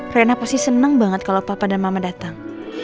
rena pasti senang banget kalau papa dan mama datang